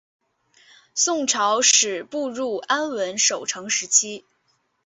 宋朝始步入安稳守成时期。